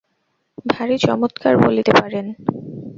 ভারি চমৎকার বলিতে পারেন।